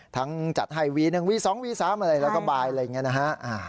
จัดให้วี๑วี๒วี๓อะไรแล้วก็บายอะไรอย่างนี้นะฮะ